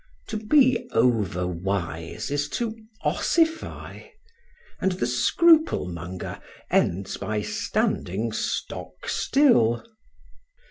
To be overwise is to ossify; and the scruple monger ends by standing stockstill.